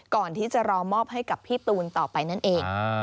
ก่อนที่จะรอมอบให้กับพี่ตูนต่อไปนั่นเอง